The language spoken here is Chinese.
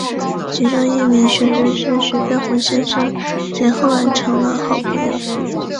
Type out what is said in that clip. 其中一名学生是徐悲鸿先生谁后来成了好朋友。